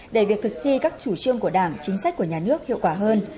để việc thực thi các chủ trương của đảng chính sách của nhà nước hiệu quả hơn